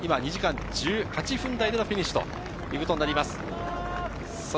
２時間１８分台でのフィニッシュとなります。